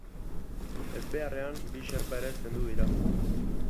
Ezbeharrean, bi xerpa ere zendu dira.